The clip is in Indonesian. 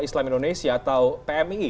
islam indonesia atau pmi